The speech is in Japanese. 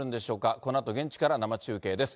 このあと、現地から生中継です。